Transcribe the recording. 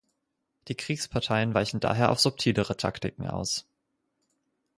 Die Kriegsparteien weichen daher auf subtilere Taktiken aus.